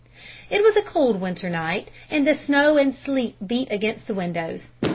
It was a cold winter night, and the snow and sleet beat against the windows.